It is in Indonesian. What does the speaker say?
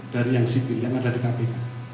dari yang sipil yang ada di kpk